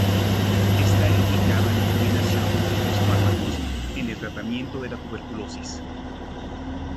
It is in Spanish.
Está indicado en combinación con otros fármacos en el tratamiento de la tuberculosis.